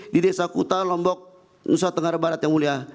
di desa kuta lombok nusa tenggara barat yang mulia